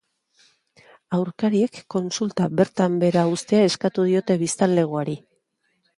Aurkariek kontsulta bertan behera uztea eskatu diote biztanlegoari.